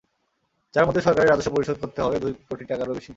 যার মধ্যে সরকারের রাজস্ব পরিশোধ করতে হবে দুই কোটি টাকারও বেশি।